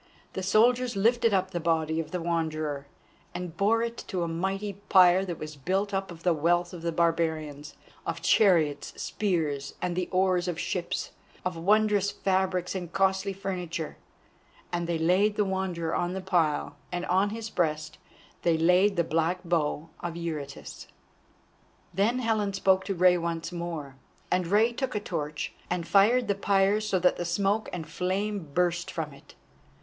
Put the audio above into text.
The soldiers lifted up the body of the Wanderer, and bore it to a mighty pyre that was built up of the wealth of the barbarians, of chariots, spears, and the oars of ships, of wondrous fabrics, and costly furniture. And they laid the Wanderer on the pyre, and on his breast they laid the black bow of Eurytus. Then Helen spoke to Rei once more, and Rei took a torch and fired the pyre so that smoke and flame burst from it.